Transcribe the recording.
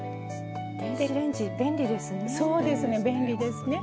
電子レンジ便利ですね。